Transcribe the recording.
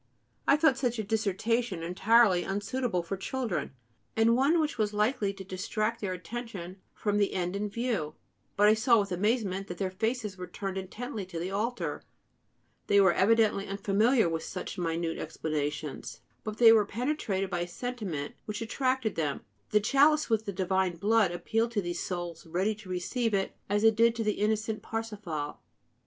I thought such a dissertation entirely unsuitable for children, and one which was likely to distract their attention from the end in view; but I saw with amazement that their faces were turned intently to the altar; they were evidently unfamiliar with such minute explanations, but they were penetrated by a sentiment which attracted them; the chalice with the divine blood appealed to these souls ready to receive it, as it did to the innocent Parsifal.